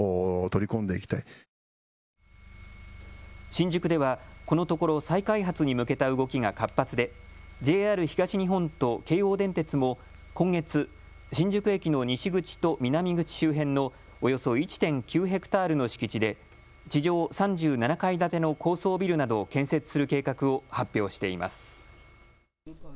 新宿では、このところ再開発に向けた動きが活発で、ＪＲ東日本と京王電鉄も今月、新宿駅の西口と南口周辺のおよそ１．９ヘクタールの敷地で地上３７階建ての高層ビルなどを建設する計画を発表しています。